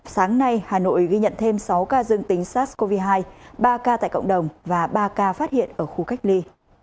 sáng nay hà nội ghi nhận thêm sáu ca dương tính sars cov hai ba ca tại cộng đồng và ba ca phát hiện ở khu cách ly